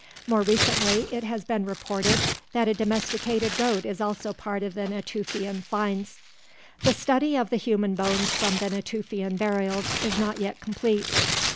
More recently, it has been reported that a domesticated goat is also part of the Natufian finds. The study of the human bones from the Natufian burials is not yet complete.